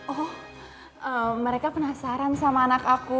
oh mereka penasaran sama anak aku